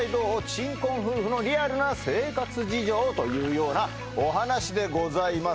「珍婚夫婦のリアルな生活事情」というようなお話でございます